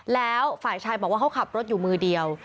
แล้วฝ่ายชายบอกว่าเขาขับรถอยู่มือเดียว